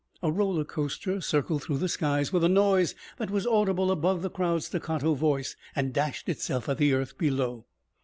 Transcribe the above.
A roller coaster circled through the skies with a noise that was audible above the crowd's staccato voice and dashed itself at the earth below.